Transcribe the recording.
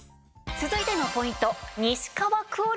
続いてのポイント